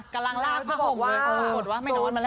กำลังลากผ้าห่มเลยโอ้โหจริงว่าไม่นอนมาแล้ว